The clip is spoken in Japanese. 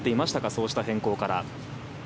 そうした変更から。